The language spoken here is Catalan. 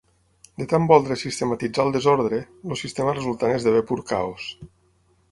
De tant voler sistematitzar el desordre, el sistema resultant esdevé pur caos.